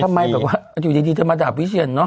ทำไมแบบว่าอยู่ดีเธอมาด่าววิเชียญนะ